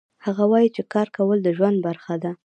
هغه وایي چې کار کول د ژوند برخه ده